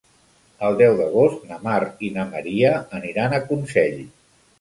El deu d'agost na Mar i na Maria aniran a Consell.